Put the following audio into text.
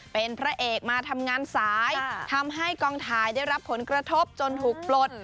เป็นพระเอกมาทำงานสายทำให้กองถ่ายได้รับผลกระทบจนถูกปลด